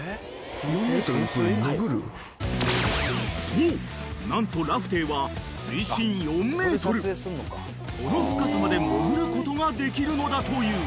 ［そう何とラフテーは水深４ｍこの深さまで潜ることができるのだという］